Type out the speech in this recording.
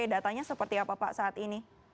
datanya seperti apa pak saat ini